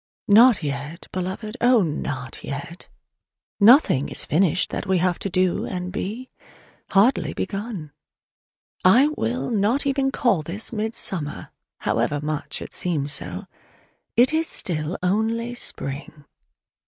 Not yet, Beloved, oh, not yet! Nothing is finished that we have to do and be: hardly begun! I will not call even this "midsummer," however much it seems so: it is still only spring.